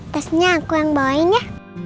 tesnya aku yang bawain ya